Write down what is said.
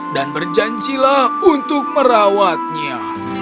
dan berjanjilah untuk merawatnya